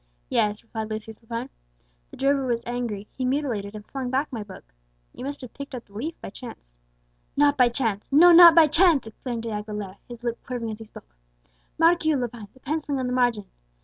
"Yes," replied Lucius Lepine. "The drover was angry; he mutilated and flung back my book. You must have picked up the leaf by chance." "Not by chance; no, not by chance!" exclaimed De Aguilera, his lip quivering as he spoke. "Mark you, Lepine, the pencilling on the margin?